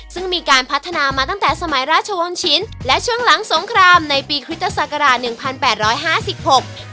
ซึ่งมีการพัฒนามาตั้งแต่สมัยราชวงศ์ชิ้นและช่วงหลังสงครามในปีควิตรศักราช๑๘๕๖๑๘๖๐